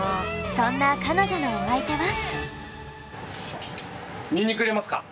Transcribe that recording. そんな彼女のお相手は？